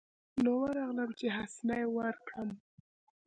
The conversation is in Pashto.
نو ورغلم چې حسنه يې وركړم.